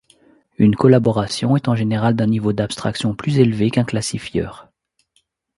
Une collaboration est en général d'un niveau d'abstraction plus élevé qu'un classifieur.